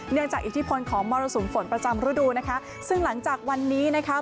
จากอิทธิพลของมรสุมฝนประจำฤดูนะคะซึ่งหลังจากวันนี้นะคะ